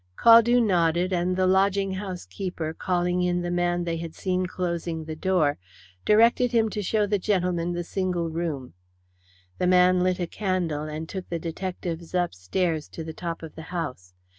Caldew nodded, and the lodging house keeper, calling in the man they had seen closing the door, directed him to show the gentlemen the single room. The man lit a candle, and took the detectives upstairs to the top of the house.